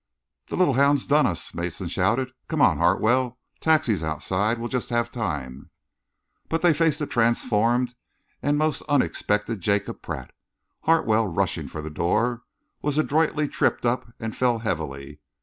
"The little hound's done us!" Mason shouted. "Come on, Hartwell. Taxi's outside. We shall just have time." But they faced a transformed and most unexpected Jacob Pratt. Hartwell, rushing for the door, was adroitly tripped up and fell heavily.